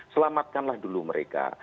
selamatkanlah dulu mereka